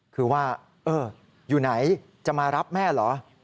คือว่าอยู่ไหนจะมารับแม่เหรอ